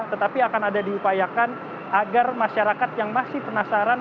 tetapi akan ada diupayakan agar masyarakat yang masih penasaran